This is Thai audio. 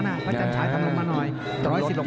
เหมือนกับไอ้พื้นกรนะหลายตำแหน่งเลยตอนนี้